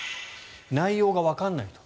内容がわからないと。